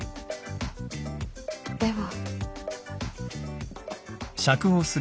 では。